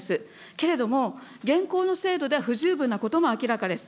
けれども、現行の制度では不十分なことも明らかです。